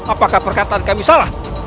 apakah perkataan kami salah